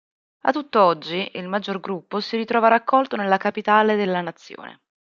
A tutt'oggi il maggior gruppo si ritrova raccolto nella capitale della nazione.